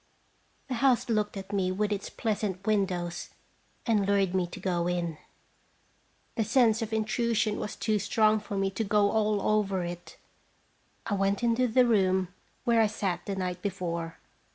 The house looked at me with its pleasant windows, and lured me to go in. The sense of intrusion was too strong for me to go all over it. I went into the room where I sat the night before.